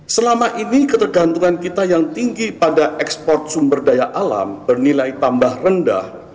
selama ini ketergantungan kita yang tinggi pada ekspor sumber daya alam bernilai tambah rendah